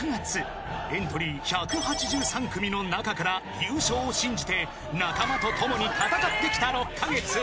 ［エントリー１８３組の中から優勝を信じて仲間と共に戦ってきた６カ月］